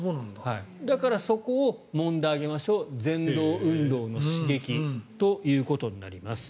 だから、そこをもんであげましょうぜん動運動の刺激ということになります。